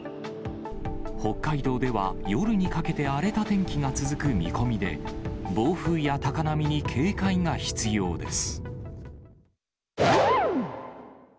北海道では夜にかけて荒れた天気が続く見込みで、暴風や高波に警戒が必要です。